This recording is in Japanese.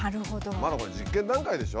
まだこれ実験段階でしょ？